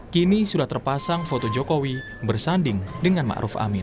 kini sudah terpasang foto jokowi bersanding dengan ⁇ maruf ⁇ amin